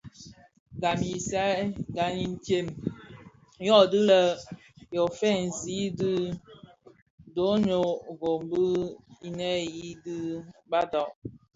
Gam intsem yödhi lè yo fènzi bidönög gom di niyeñi di badag.